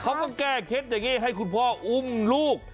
เขาก็แก้เคล็ดอย่างนี้ให้คุณพ่ออุ้มลูก